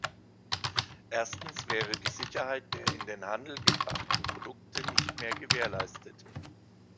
Erstens wäre die Sicherheit der in den Handel gebrachten Produkte nicht mehr gewährleistet.